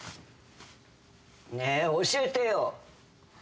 ねえ、教えてよ！